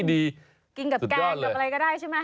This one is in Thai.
กินกับแกงกับอะไรก็ได้ใช่ไหม